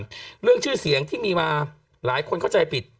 เรื่องชื่อเสียงที่มีมาหลายคนเข้าใจผิด